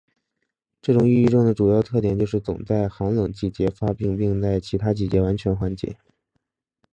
这种抑郁症的主要特点就是总是在寒冷季节发病并在其他季节完全缓解。